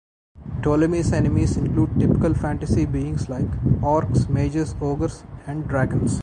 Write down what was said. Ptolemy's enemies include typical fantasy beings like orcs, mages, ogres, and dragons.